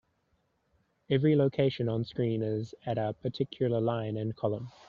Every location onscreen is at a particular line and column.